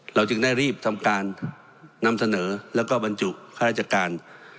เราจึงได้รีบทำการนำเสนอแล้วก็บรรจุฆาตจักรการ